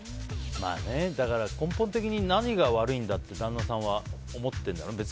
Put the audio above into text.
だから根本的に何が悪いんだって旦那さんは思ってるんだろうね。